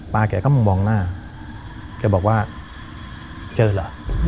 ป้าแกก็มองหน้าแกบอกว่าเจอเหรอ